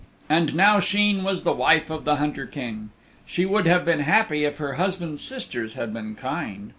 And now Sheen was the wife of the Hunter King. She would have been happy if her husband's sisters had been kind.